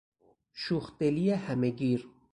شوخ دلی همه گیر